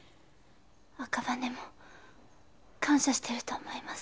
赤羽も感謝してると思います。